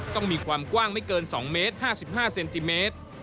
ต้องมีความกว้างไม่เกิน๒เมตร๕๕เซนติเมตร